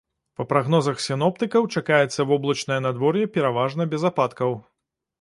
Па прагнозах сіноптыкаў, чакаецца воблачнае надвор'е, пераважна без ападкаў.